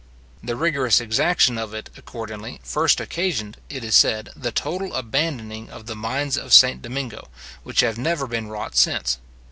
The rigorous exaction of it, accordingly, first occasioned, it is said, the total abandoning of the mines of St. Domingo, which have never been wrought since.